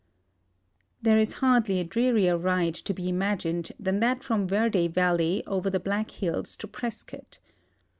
There is hardly a drearier ride to be imagined than that from Verde valley over the Black Hills to Prescott.